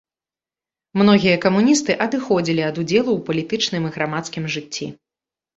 Многія камуністы адыходзілі ад удзелу ў палітычным і грамадскім жыцці.